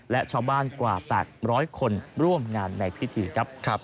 และชาวบ้านกว่า๘๐๐คนร่วมงานในพิธีครับ